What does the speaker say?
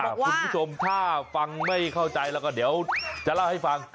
คุณผู้ชมถ้าฟังไม่เข้าใจแล้วก็เดี๋ยวจะเล่าให้ฟัง